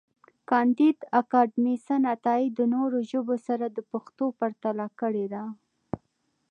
کانديد اکاډميسن عطایي د نورو ژبو سره د پښتو پرتله کړې ده.